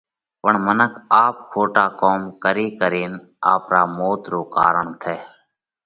پڻ منک آپ کوٽا ڪوم ڪري ڪرينَ آپرا موت رو ڪارڻ ٿئه۔